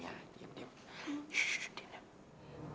mudah mudahan andri suka mais campur ini